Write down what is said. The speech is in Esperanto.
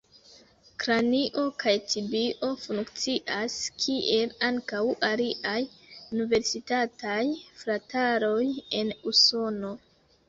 Kranio kaj tibio funkcias kiel ankaŭ aliaj universitataj frataroj en Usono.